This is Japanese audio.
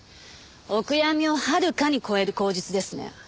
お悔やみをはるかに超える口実ですね。